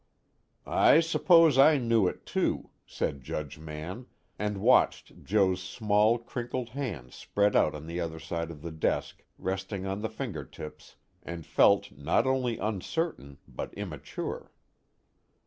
"I suppose I knew it too," said Judge Mann, and watched Joe's small crinkled hands spread out on the other side of the desk resting on the fingertips, and felt not only uncertain but immature.